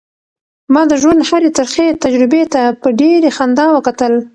ما د ژوند هرې ترخې تجربې ته په ډېرې خندا وکتل.